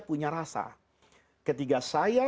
punya rasa ketika saya